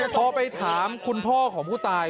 พอไปถามคุณพ่อของผู้ตาย